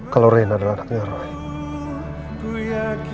kalau reina adalah anaknya roy